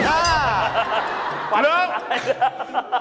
ถ้าเป็นปากถ้าเป็นปาก